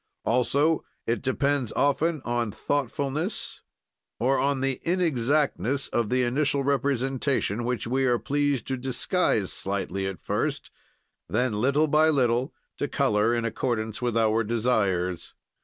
"Also it depends often on thoughtfulness or on the inexactness of the initial representation, which we are pleased to disguise slightly at first, then little by little to color in accordance with our desires.